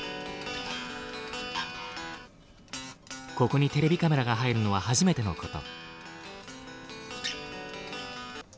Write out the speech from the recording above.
ここにテレビカメラが入るのは初めてのこと。